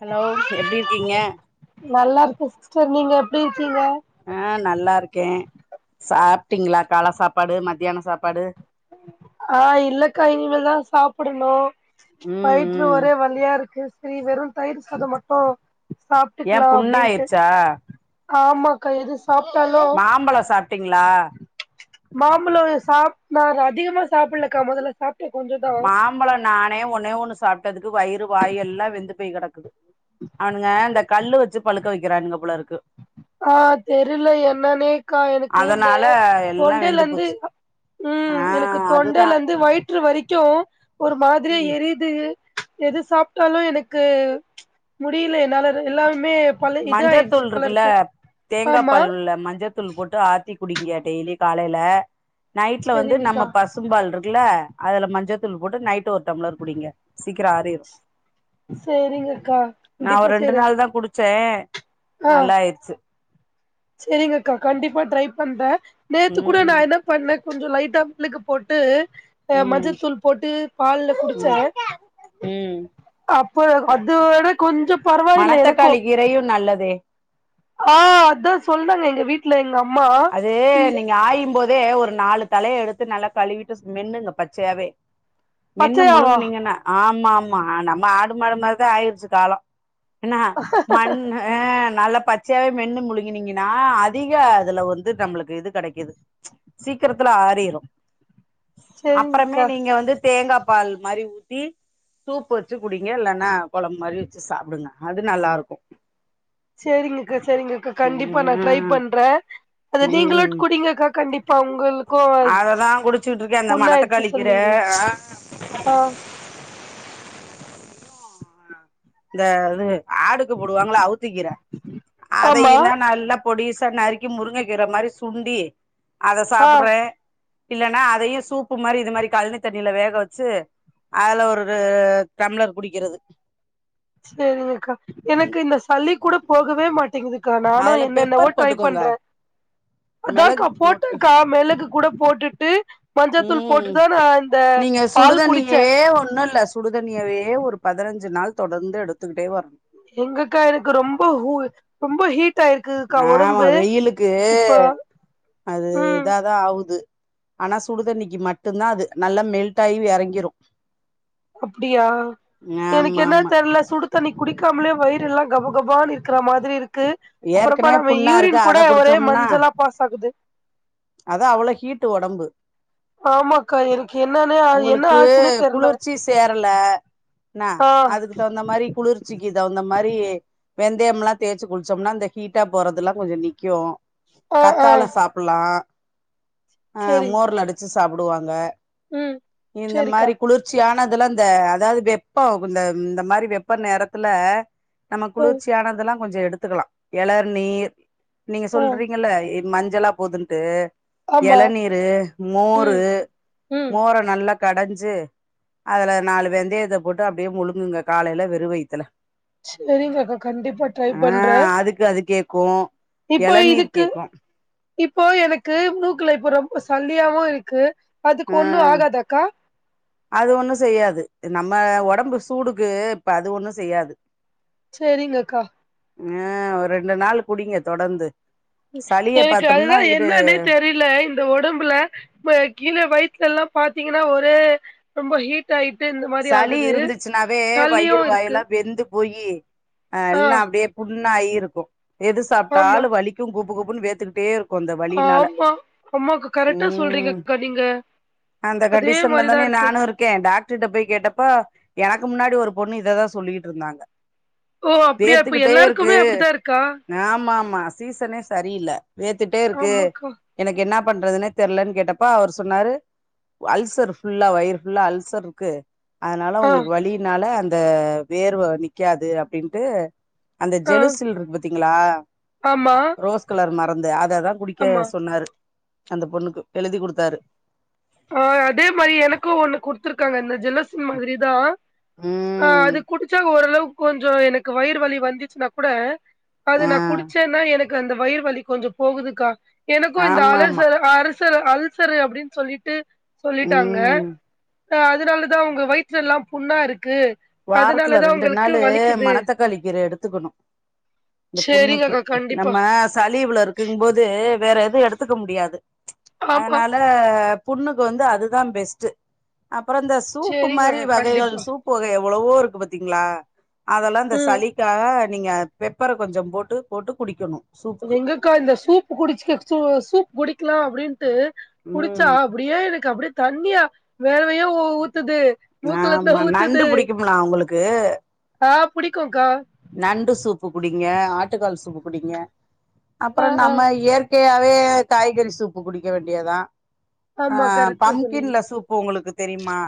hello எப்பிடி இருக்கீங்க நல்லா இருக்கே சிஸ்டர் நீங்க எப்டி இருக்கீங்க அ நல்லா இருக்கே சாப்ட்டீங்களா கால சாப் ப்பாடு மத்தியான சாப்பாடு ஆ இல்லக்கா இனிமேல்தா சாப்டணு ம் வயிற்றுல ம் ஒரே வலியா இருக்கு சரி வெறு தயிர் சாதம் மட்டு ஏ சாப்ட்டுக்கலா அப்டின்ட்டு புண்ணாயிருச்சா ஆமாக்கா எது சாப்ட்டாலு மாம்பழ சாப்ட்டீங்களா மாம்பழ சா அதிகமா சாப்பிடலக்கா மொதல்ல சா மாம்பழ நானே ஒன்னே ஒன்னு சாப்பிட்டு கதுக்கு வயிறு வாய் எல்லா வெந்து போய் கெடக்குது அவனுங்க இந்த கல்லு வச்சு பழுக்க வெக்கிறான்ங்க போல இருக்கு ஆ தெரியல என்னன்னேக்கா எனக்கு இந்த அதனால எல்லா தொண்டேல வெந்து வந்து போச்சு உம் ஆ எனக்கு அதுதா தொண்டேல வந்து வய வரைக்கு ஒரு மாதிரியா ம் எரியுது எது சாப்ட்டாலு எனக்கு முடியல என்னால எல்லாமே போல இது ஆயிடுச்சு மஞ்சத்தூள் போல இருக்குல்ல இருக்கு தேங்கா ஆமா பால் உள்ள மஞ்சத்தூள் போட்டு ஆ டீ குடிங்க டெய்லி காலேல நைட்ல வந்து செரிங்கக்கா நம்ம பசும்பால் இருக்குல்ல அதுல மஞ்ச மஞ்சதூள் போட்டு நைட்டு ஒரு டம்ளர் குடிங்க சீக்கிர ஆறிடும் சேரிங்க அக்கா கண்டிப்பா செய்றே ச நல்ல ஆயிடுச்சு சரிங்க அக்கா கண்டிப்பா ட்ரை பண்றே நேத்து கூட நா ம் என்ன பண்ணே கொஞ்சோ லைட் தம்புக்கு போட்டு ஹ ம் மஞ்சத்தூள் போட்டு பால்ல குடுச்சா ம் ம் இப்ப அதோட கொஞ்சம் மணத்தக்காளி கீரையும் நல்லது ஆ அதான் சொல்றாங்க எங்க வீட் அது நீங்க ஆயும்போது அதே ஒரு நாலு தலையை எடுத்து நல்லா கழுவிட்டு மென்னுங்க பச்சையாவே மென்னு பச்சையாவா முழுங்கனீங்கன்ன ஆ ஆமா ஆமா நம்ம ஆடு மாடு மாரிதா ஆயிடுச்சி காலம் என்னா மன்னு ஆ நல்ல பச்சையாவே மென்னு முழுங்கினீங்கன்னா அதிக இதுல வந்து நம்மளுக்கு இது கெடைக்குது சீக் கிரத்துல ஆறிரும் அப்பறமே செரிங்கக்கா நீங்க வந்து தேங்கா பால் மாரி ஊத்தி சூப்பு வச்சி குடிங்க இல்லைன்னா கொழம்பு மாரி வச்சி சாப்டுங்க அது நல்லா இருக்கும் சரிங்கக்கா சரிங்கக்கா கண்டிப்பா நான் ட்ரை ம் பண்றேன் அது நீங்களோ ம் குடிங்ககாக்கா பொங்கலுக்கும் வச்சி அததா குடிச்சுட்டு இருக்கே அந்த புண்ணா ஆயிடுச்சி மணத்தக்காளி கீர சொன்னீங்களே ஆ இந்த அது ஆடுக்கு போடுவாங்களா அவுத்திக்கீற ஆமா அதையும் தான் நல்லா பொடிசா நறுக்கி முருங்கக்கீற மாரி சுண்டி அத ஆ சாப்படறேன் இல்லன்னா அதையும் சூப்பு மாரி இது மாரி கழனி தண்ணியில வேக வச்சி அதுல ஒரு டம்ளர் குடிக்கிறது சரிங்கக்கா எனக்கு இந்த சளி கூட போகவே மாட்டிங்குது அக்கா நானும் அதுல என்னென்னவோ பெப்பர் ட்ரை போட்டுக்கோங்க பண்றேன் அதான்க்கா மெளகு போட்டு போட்டேக்கா மெளகு கூட போட்டுட்டு மஞ்சத்தூள் ம் போட்டுதான் நான் இந்த நீங்க பால் சுடுதண்ணியே குடிச்சேன் ஒண்ணும் இல்ல சுடுதண்ணியவே ஒரு பதினஞ்சு நாள் தொடர்ந்து எடுத்துக்கிட்டே வரணு எங்கக்கா எனக்கு ரொம்ப கூல் ரொம்ப ஹீட் ஆயிருக்குக்கா ஆமா ஒடம்பு வெயிலுக்கு இப்ப அது ம் இதாதான் ஆவுது ஆனா சுடுதண்ணிக்கு மட்டும்தான் அது நல்லா மெல்ட் ஆயி எறங்கிரும் அப்டியா எனக்கு என்ன ஆமா தெரியல சுடு தண்ணி குடிக்காமலே வயிறெல்லா கபகபான்னு இருக்ற மாதிரி இருக்கு அப்புறமா ஏற்கனவே நம்ம புண்ணா இருக்கு யூரின் கூட அத ஒரே குடிச்சோம்னா மஞ்சளா பாஸ் ஆகுது அதா அவ்வள ஹீட்டு ஒடம்பு ஆமாக்கா எனக்கு என்னன்னு என்ன ஒங்களுக்கு ஆச்சுன்னே தெர்ல குளிர்ச்சி சேரல என்ன ஆ அதுக்கு தகுந்த மாதிரி குளிர்ச்சிக்குது தவுந்த மாரி வெந்தயம்லா தேச்சி குளிச் சோம்னா இந்த ஹீட்டா போறதுலா கொஞ்சோ நிக்கும் ஆ ஆ கத்தால சாப்புலா ஆ சேரி மோர்ல அடுச்சு சாப்டுவாங்க ம் இந்த சேரிக்கா மாரி குளிர்ச்சியான முதல இந்த அதாவது வெப்ப இந்த மாரி வெப்பம் நேரத்ல நம்ம ம் குளிர்ச்சியானதெல்லா கொஞ்ச எடுத்து த்துக்கலா எளர் நீர் நீங்க ஆ சொல்றீங்கள ம நல்ல போதுன்ட்டு ஆமா எளநீரு மோரு ம் ம் மோர நல்லா கடஞ்சு அதுல நாலு வெந்தயத்த போட்டு அப்டியே முழுங்குங்க காலேல வெறு வயுத்ல செரிங்கக்கா கண்டிப்பா ட்ரை ஆ பண்றே அதுக்கு அது கே கு இப்போ எளநீர் இதுக்கு கேக்கு இப்போ எனக்கு மூக்ல இப்ப ரொம்ப சள்ளியாவு இருக்கு அதுக்கு ஆ ஒண்ணு ஆகாதாக்கா அது ஒண்ணு செய்யாது நம்ம ஒடம்பு சூடுக்கு இப்ப அது ஒண்ணு செய்யாது செரிங்க அக்கா ம் ஒரு ரெண்டு நாள் குடிங்க தொடர்ந்து சளிய எனக்கு பாத்தோம்னா அதுதா என்கிட்ட என்னான்னே தெரியல இந்த ஒடம்ல கீழ வயித்து ல்லாம் பாத்தீங்கனா ஒரே ரொம்ப ஹீட் ஆயி சளி இருந்துச்சுனாவே வயிறு இருக்கு வாயெல்லா வெந்து பொய்யி அ ஆ எல்ல அப்டியே புடி புண்ணாயி இருக்கு எது ஆமா சாப்ட்டாலு வலிக்கு குப குபுகுபுனு வேத்துக்கிட்டே இரு கொந்த வலினால ஆமா அம்மாக்கு கரெக்டா ம் சொல்றீங்கக்கா நீங்க அந்த அதே கண்டிஷன்ல மாரிதா தானே இருக்கு நானு இருக்கே டாக்டர்ட்ட போய் ஆ எனக்கு முன்னாடி ஒரு பொண்ணு இததா சொல்லிக்கிட்டு இருந்தாங்க ஓ அப்படியா இப்ப வேத்துக்கிட்டே இருக்கு எல்லாருக்குமே அப்படித்தா இருக்கா ஆமா ஆமா சீசனே சரியில்ல வேத்துட்டே இருக்கு ஆமாக்கா எனக்கு என்ன பண்றதுனே தெரியலன்னு கேட்டப்பா அவர் சொன்னாரு அல்சர் ஃபுல்லா வயிறு ஃபுல்லா அல்சர் இருக்கு அதனால ஆ உங்களுக்கு வழியினால அந் இந்த வேர்வ நிக்காது அப்படின்ட்டு அந்த ஆ ஜலுசில் இருக்கு பாத்தீங்களா ஆமா ரோஸ் கலர் மருந் [unintelligible] அத தா குடிக்க ஆமா சொன்னாரு அந்த பொண்ணுக்கு எழுதி கொடுத்தாரு ஆ அதே மாரி எனக்கு ஒண்ணு குடுத்துருக்காங்க இந்த ஜலசின் மாதிரிதா ஆ ம் அது குடிச்சா ஓரளவுக் கொஞ்ச எனக்கு வயிறுவலி வந்துச்சுன்னா கூட அது ஆ நா குடிச்சேன்னா எனக் க்கு அந்த வயிறுவலி கொஞ்ச போகுதுக்கா எனக்கும் இந்த ஆமா ஆமா அலசர் அரச சரு அல்சரு அப்படின்னு சொல்லிட் டு சொல்லிட்டாங்க ம் அ அதனாலதா உங்க வயித்துல எல்லா புண்ணா இருக்கு வாரத்துல அதனாலதா ரெண்டு உங்களுக்கு நாளு வலிக்குது மணத்தக்காளி கீரை எடுத்துக்கணு இந்த புண்ணுக்கு சேரிங்கக்கா கண்டிப்பா நம்ம சலீ இவ்ளோ இருக்கு போது வேற எது எடுத்துக்க முடியாது ஆமா அதனால புண்ணுக்கு வந்து அதுதா பெஸ்டு அப்புறோ இந்த சூப்பு மாரி சேரிங்கக்கா வகைகள் கண்டிப்பா சூப்பு வகைகள் எவ்வளவோ இருக்கு பாத்தீங்களா அதெல்லா இந்த ம் சளிக்காக நீங்க பெப்பர கொஞ்ச போட்டு போட்டு குடிக்கணு சூப்புக்கு எங்கக்கா இந்த சூப்பு குடிச்ச சூ சூப்பு குடி க்கலா அப்டின்ட்டு குடிச்சா ம் அப்டியே எனக்கு அப்டியே தண்ணியா வேறவையோ ஊத் ஊத்துது மூக்குல இருந்து ஆமா நண்டு ஊத்துது புடிக்கும்லா உங்களுக்கு ஆ புடிக்குங்க்கா நண்டு சூப்பு குடிங்க ஆட்டுக்கால் சூப்பு குடிங்க ஆ அப்புறோ ஆ நம்ம இயற் கேயாவே காய்கறி சூப்பு குடிக்க வேண்டியதா ஆ ஆமா கரெக்டா சொன்னீங்க பம்கின்ல சூப்பு உங்களுக்கு தெரியுமா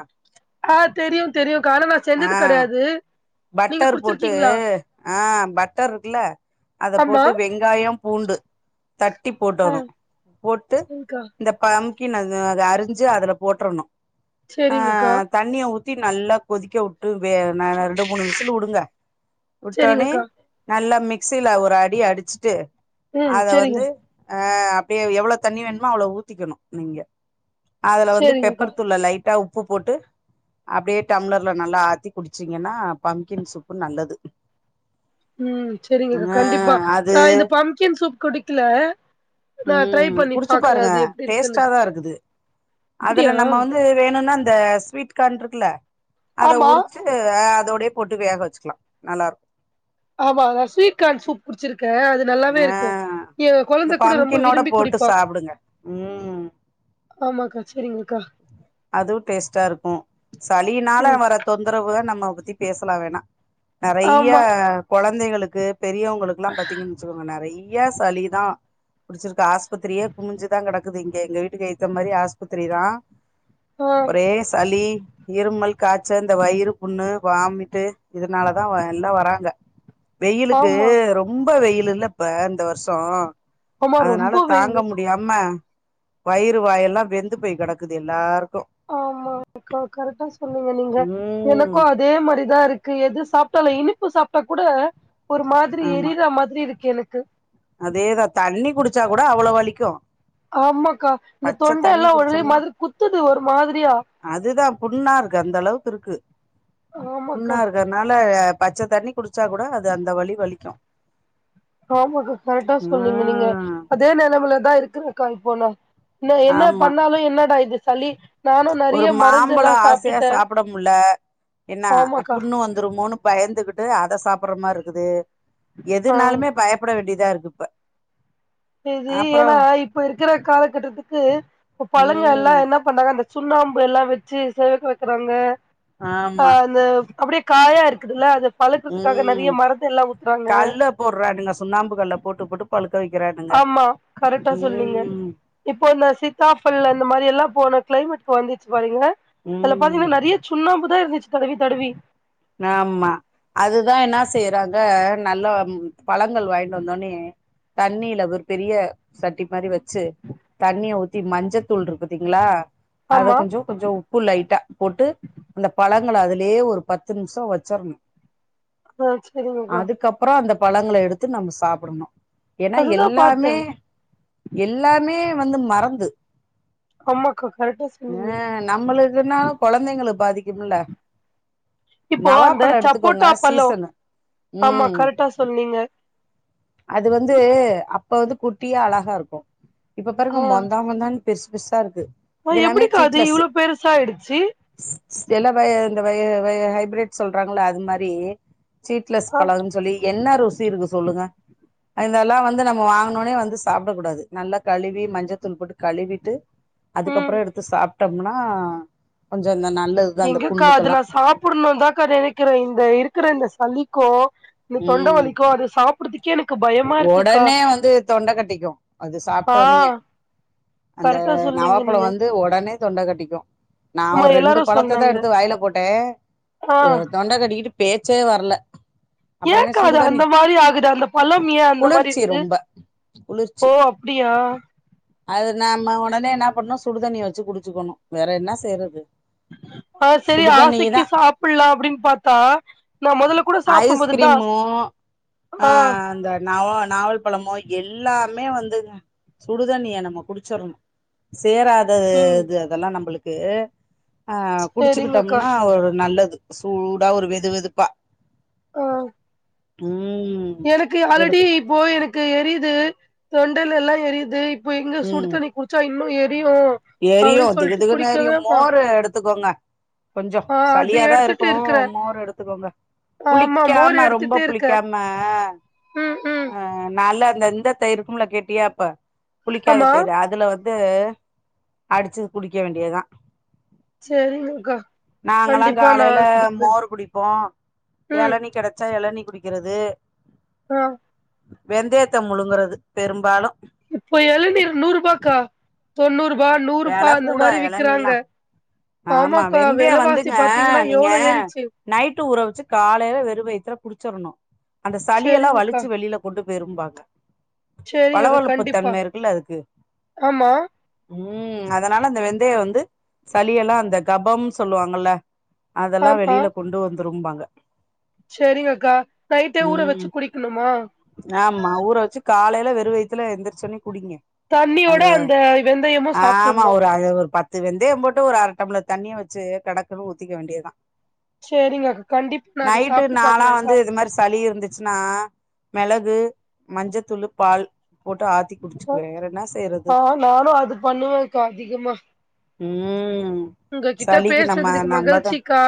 ஆ தெரியு தெரியு ஆனா நா ஆ செஞ்சது கெடையாது நீங்க பட்டர் போட்டு குடிச்சிருக்கீங்களா ஆ பட்டர் இருக்குல்ல அத ஆமா போட்டு வெங்காயம் பூண்டு தட்டி ஆ போட்டர்ணு போட்டு சரிக்கா இந்த பழம் க்கின் அது அருஞ்சு அதுல போட்ருணு ஆ சரிங்கக்கா தண்ணிய ஊத் ஊத்தி நல்லா கொதிக்க உட்டு வே நல்லா மூணு விசில் உடுங்க விட்டோனே சரிங்கக்கா நல்லா மிக் மிக்சில ஒரு அடி அடுச்சுட்டு ம் அத சரிங்க வந்து அ அப்டியே எவ்வளோ தண்ணி வேணுமோ அவ்ளோ ஊத்திக்கணு நீங்க அதுல வந்து சரிங்கக்கா பெப்பர் தூள லைட்டா உப்பு போட்டு அப்டியே டம்ளர்ல நல்லா ஆத்தி குடிச்சிங்கன்னா பம்கின் சூப்பு நல்லது ம் சேரிங்க அக்கா ஆ கண்டிப்பா அது நான் இந்த பம்கின் சூப் குடிக்கல நா ட்ரை ம் பண்ணி குடிச்சு பாக்குற பாருங்க அது எப்டி இருக்குன்னு டேஸ்ட்டா தா இருக்குது அப்புடியா உக்காண்டுருக்குல்ல அத உருச்சு அ அத் அதோடயே போட்டு வேக வச்சுகலா நல்லாருக்கும் ஆமா நா ஸ்வீட்கான் சூப் குடிச்சுரு க அது நல்லாவே இருக்கு ஆ இருக்கும் ஏ இந்த கெழந்த கூட ரொம்ப பம்கினோட விரும்பி போட்டு குடிப்பா சாப்டுங்க ம் ஆமாக்கா செரிங்க கா அதுவும் டேஸ்ட்டாருக்கும் சளினால ம் வர தொந்தரவு நம்மோ இதபத்தி பேசலா வேணா நறைய ஆமா கெழந்தைகள் ளுக்கு பெரியவுங்ளுக்குலா பாத்தீங்கன்னு வச்சுக்கோங்க நறை ய சளிதா புடிச்சிருக்கு ஆஸ்பத்திரியே குமிஞ்சுதா கெடக்குது இங்க எங்க வீட்டுக்கு எதுத்த மாரி ஆஸ்பத்திரி தா ஆ ஒரே சளி இருமல் காச்ச இந்த வயிறு புண்ணு வாமிட்டு இதனால தா வ எல்லா வராங்க வெயிலுக்கு ஆமா ரொம்ப வெயிலில்ல இப்ப இந்த வரு சோ ஆமா அதனால ரொம்ப வெயில் தாங்க முடியாம வயிறு வாயெல்லா வெந்து போய் கெடக்குது எல்லாரு ஆமாங் கா கரெக்டா சொன்னீங்க நீங்க ம் எனக்கும் அதே மாரி தா இருக்கு எது சாப்டாலு இனிப்பு சாப்டா கூட ஒரு மாதிரி ஆமா எரிர மாதிரி இருக் எனக்கு அதேதா தண்ணி குடிச்சா கூட அவ்ளோ வலிக்கும் ஆமா பச்ச தண்ணி குடிச்சோம்னா குத்துது ஒரு மாதிரியா அதுதா புண்ணாருக்கு அந்த அளவுக்கு இருக்கு புண்ணா ஆமாக்கா இருக்கனால பச்சத்தண்ணி குடிச்சா கூட அது அந்த வலி வலிக்கும் ஆமாக்கா கரெக்டா சொன்னீங்க நீங்க ம் அதே நெலமலதா இருக்குற கால் போனா இந்த என்ன ஆமா பண்ணாலு என்னடா இது சளி நானு ஒரு நெறைய மாம்பழோ மருந்தெல்லா ஆசையா சாப்ட்டுட்டே சாப்ட முல்ல என்ன ஆமாக்கா அப்புண்ணு வந்துருமோனு பயந்துகிட் டு அத சாப்பற மாரி இருக்குது ஆ எதுனாலுமே பயப்பட வேண்டியதா இருக்கு ப்ப சரி ஏனா இப்ப இருக்கற காலகட்டத்துக்கு பழங்க எல்லா ம் என்ன பண்ணாங்க அந்த சுண்ணாம்பு எல்லா வச்சு சேவ் படுத்துறாங்க அ ஆமா அது அப்டி காயா இருக்குதுல்ல அது ம் கல்ல போடுறாங்க சுண்ணாம்பு கல்ல போட்டு போட்டு பழுக்க வை ஆமா கரெட்டா சொன்னீங்க இப்போ இந்த சீத்தாபல அந்த மாரி எல்லா போன க்ளைமேட் வந்துச்சு பாரிங்க அதுல ம் பாத்தீங்கன்னா நெறைய சுண்ணாம்பு அப்டி தா இருந்துச்சு தடவி தடவி ஆம்மா அதுதா என்னா செய்யறாங்க நல்ல ம் பழங்கள் வாயிண்டு வந்தோவுன்னே தண்ணீல ஒரு பெரிய சட்டி மாரி வச்சு தண்ணிய ஊத்தி மஞ்சத்தூள் இருக்கு பாத்தீங்களா அத ஆமா கொஞ்ச கொஞ்ச உப்பு லைட்டா போட்டு அந்த பழ உங்கள அதுலேயே ஒரு பத் பத்து நிமிஷ வச்சர்ணு ஆ செரிங்கக்கா பழங்கள எடுத்து நம்ம சாப்பிடணு ஏன்னா அதுதா பாத்தே எல்லாமே எல்லாமே வந்து மறந்து ஆமாக்கா கரெக்டா சொன்னீங்க ஆ நம்மளுக்குனா கொழந்தைங்களுக் பாதிக்கும்மல்ல இப்போ அந்த நவாப்பழ எடுத்துக்கோங்க சப்போட்டா பழோ சீசனு ஆமா ம் கரெக்டா சொன்னீங்க அது வந்து அப் அப்ப வந்து குட்டியா அழகா இருக்கு இப்ப ஆ பாருங்க மொந்தா மொந்தான் பெருசு பெருசா இருக்கு ஆ இது எல்லாமே எப்டிக்கா அது சீட்லெஸ் இவ்ளோ பெருச ஆயிடுச்சி எல்லா வய இந்த வய வய பிரிட் சொல்றாங்களா அது மாரி சீட்லஸ் ஆ பழகுன் சொல்லி என்ன ருசி இருக்கு சொல்லுங்க இதெல்லாம் வந்து நம்ம வாங்கனோனே வந்து சாப்பிட கூடாது நல்லா கழுவி மஞ்சத்தூள் போட்டு கழுவிட்டு ம் அதுக்கப்புறம் எடுத்து சாப்பி சாப்பிட்டோம்னா எங்கக்கா அது நான் சாப்பிடணும் தான் நினைக்கிறேன் இந்த இருக்கிற இந்த சளிக்கும் இந்த தொண்ட ம் வலிக்கும் அது சாப்பிடுறதுக்கே எனக்கு பயமா இருக்குக்கா ஒடனே வந்து தொண்ட கட்டிக்கு அது சாப்ட்டோனயே ஆஹ் அந்த நவப்பழம் வந்து உடனே தொண்டை கட்டிக்கும் நான் ஆமா ஒரு ரெண்டு எல்லாரு பழத்தை தான் சொன்னாங்க எடுத்து வாயில போட்டேன் ஆ தொண்டை கட்டிக்கிட்டு பே பேச்சே வரல அப்புறமே ஏன்கா அது சுடுதண்ணி அந்த மாதிரி ஆகுது அந்த பழம் ஏன் அந்த மாதிரி குளிர்ச்சி இருக்கு ரொம்ப குளிர்ச்சி ஓ அப்படியா அது நாம உடனே என்ன பண்ணணும் சுடுதண்ணிய வச்சு குடிச்சுக்கணும் வேற என்ன செய்யறது ஆஹ செரி சுடுதண்ணி ஆசைக்கு தான் சாப்பிடலாம் அப்படின்னு பார்த்தா நான் முதல்ல கூட சாப்பிடும்போது ஐஸ்கிரீமோ அ அந்த நவா நாவல் பழமோ எல்லாமே வந்துங்க சுடுதண்ணிய நம்ம குடிச்சிறணும் சேராத ம் இது அதெல்லாம் நம்மளுக்கு கு ஆ செரிங்கக்கா குடிச்சுக்கிட்டோம்னா ஒரு நல்லது சூடா ஒரு வெது வெதுப்பா ஆஹ் உம் எனக்கு ஆல்ரெடி இப்போ எனக்கு எரியுது தொண்டல்ல எல்லாம் எரியுது இப்ப எங்க ம் சுடித்தண்ணி குடிச்சா இன்னும் ஏ எரியும் திகு திகுன்னு எரியும் மா மோர் எடுத்துக்கோங்க கொஞ்சம் ஆ அது சளியாதான் எடுத்துட்டு இருக்கும் இருக்கற மோர் எடுத்துக்கோங்க ஆமா மோர் புளிக்காம ரொம்ப எடுத்துட்டே இருக்க புளிக்காம ம் ம் ஆஹ் நால அந்த இந்த தயிருக்கும்ல கேட்டியாப்ப புளிக்காத ஆமா தயிரு அதுல இது அடிச்சு குடிக்க வேண்டியதுதான் சரிங்கக்கா நாங்கல்லாம் கண்டிப்பா நா காலையில குடிக்கிறே மோர் குடிப்போம் ம் இளநி கிடைச்சா இளநி குடிக்குறது ஆ வெந்தயத்த முழுங்குறது பெரும்பாலு இப்போ இளநீர் நூறுபாக்கா தொண்ணூறு வெல கூட இளண்ணிலா ஆமா ஆமாக்கா வெந்தய வெலவாசி வந்துங்க பாத்தீங்கன்னா நீங்க எவ்ளோ ஏறிச்சு நைட்டு ஊறவெச்சு காலேல வெறு வயுத்ல குடுச்சுறணு அந்த சளியெல்லா வலிச்சு வெளில கொண்டு விரும்பாங்க [unintelligible] சேரிங்கக்கா கண்டிப்பா ஆமா உம் அதனால அந்த வெந்தய வந்து சளியெல்லா அந்த கபம்னு சொல்லுவாங்கல்ல அதெல்லா வெளியில கொண்டு திரும்பாங்க செரிங்க அக்கா நைட்டே ஊர ம் வச்சு குடிக்கணுமா காலேல வெறு வயத்துல எந்திரச்சுன்னே தண்ணியோட அந்த வெந்தயம் ஆமா ஒரு அது ஒரு பத் வெந்தயம் போட்டு ஒரு அர டம்ளர் தண்ணிய வச்சு கடக்குன்னு ஊத்திக்க வேண்டியதுதா செரிங்கக்கா கண்டிப்பா நா அத நைட்டு சாப்ட்டு நாளா பாக்குறேக்கா வந்து இது மாதிரி சளி இருந்துச்சுன்னா மெளகு மஞ்சத்தூளு பால் போட்டு ஆத்தி குடிச்சுக்குவே வேற என்னா செய்றது ஆ நானு அது பண்ணுவேக்கா அதிகமா உம்ம் உங்க கிட்ட பேசுனதுக்கு மகிழ்ச்சிக்கா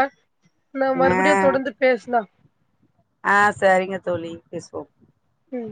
நா ஆ மறுபடியு தொடர்ந்து பேசலா ஆ சரிங்க தோழி பேசுவோ உம்